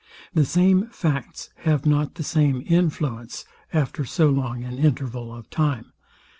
The same facts have not the same influence after so long an interval of time.